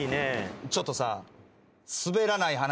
ちょっとさ。